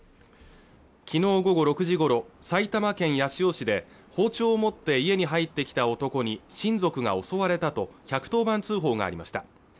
昨日午後６時ごろ埼玉県八潮市で包丁を持って家に入ってきた男に親族が襲われたと１１０番通報がありました